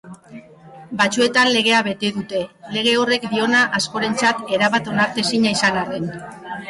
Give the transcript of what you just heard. Batzuetan legea bete dute, lege horrek diona askorentzat erabat onartezina izan arren.